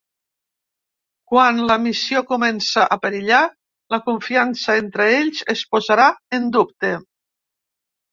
Quan la missió comença a perillar, la confiança entre ells es posarà en dubte.